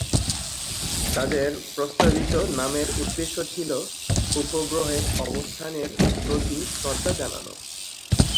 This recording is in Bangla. তাদের প্রস্তাবিত নামের উদ্দেশ্য ছিল "উপগ্রহের অবস্থানের প্রতি শ্রদ্ধা জানানো"।